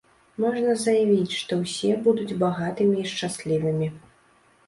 Можна заявіць, што ўсе будуць багатымі і шчаслівымі.